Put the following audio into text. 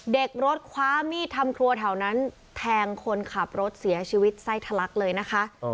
เด็กรถคว้ามีดทำครัวแถวนั้นแทงคนขับรถเสียชีวิตไส้ทะลักเลยนะคะ